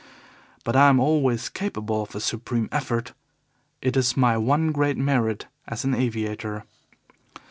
But I am always capable of a supreme effort it is my one great merit as an aviator.